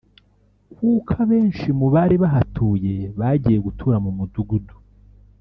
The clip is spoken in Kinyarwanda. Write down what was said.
kuko abenshi mu bari bahatuye bagiye gutura mu mudugudu